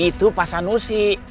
itu pak sanusi